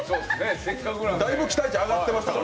だいぶ期待値上がってましたから。